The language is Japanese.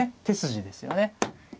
手筋ですよね。